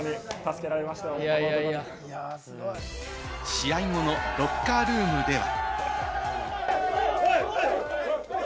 試合後のロッカールームでは。